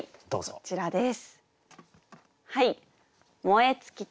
こちらです。